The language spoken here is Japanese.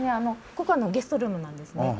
ここはゲストルームなんですね。